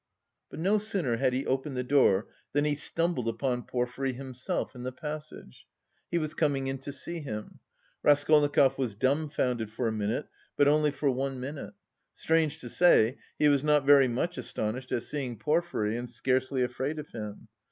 But no sooner had he opened the door than he stumbled upon Porfiry himself in the passage. He was coming in to see him. Raskolnikov was dumbfounded for a minute, but only for one minute. Strange to say, he was not very much astonished at seeing Porfiry and scarcely afraid of him.